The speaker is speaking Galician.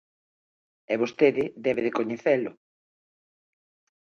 E vostede debe de coñecelo.